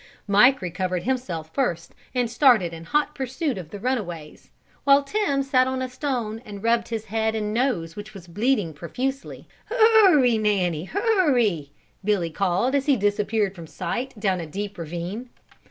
Mike recovered himself first and started in hot pursuit of the runaways while Tim sat still on a stone and rubbed his head and nose which was bleeding profusely. "Hurry, Nanny, hurry," Billy called as he disappeared from sight down a deep ravine.